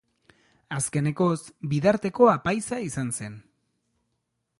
Azkenekoz, Bidarteko apaiza izan zen.